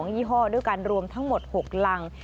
ยี่ห้อด้วยกันรวมทั้งหมด๖รัง